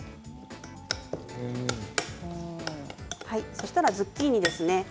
そうしたらズッキーニですね。